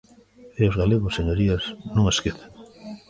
E os galegos, señorías, non esquecen.